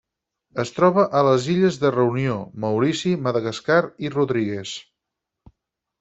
Es troba a les illes de Reunió, Maurici, Madagascar i Rodrigues.